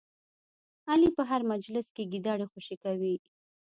علي په هر مجلس کې ګیدړې خوشې کوي.